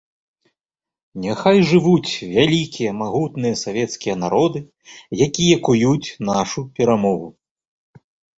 Няхай жывуць вялікія магутныя савецкія народы, якія куюць нашу перамогу!